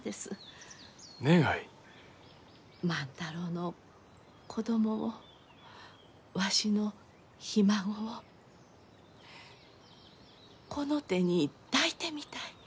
万太郎の子供をわしのひ孫をこの手に抱いてみたい。